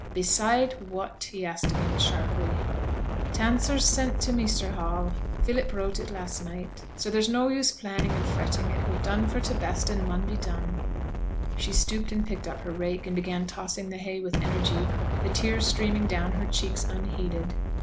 'Beside what?' he asked again, sharply. 'T' answer's sent to Measter Hall Philip wrote it last night; so there's no use planning and fretting, it were done for t' best, and mun be done.' She stooped and picked up her rake, and began tossing the hay with energy, the tears streaming down her cheeks unheeded.